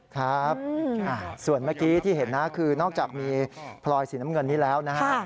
ครับส่วนเมื่อกี้ที่เห็นนะคือนอกจากมีพลอยสีน้ำเงินนี้แล้วนะฮะ